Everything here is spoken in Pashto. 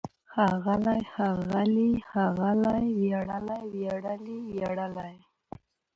ښاغلی، ښاغلي، ښاغلې! وياړلی، وياړلي، وياړلې!